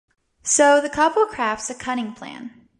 So the couple crafts a cunning plan.